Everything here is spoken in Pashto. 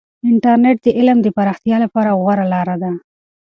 انټرنیټ د علم د پراختیا لپاره غوره لاره ده.